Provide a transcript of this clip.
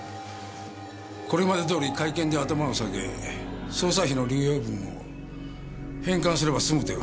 これまでどおり会見で頭を下げ捜査費の流用分を返還すれば済むという話ではありません。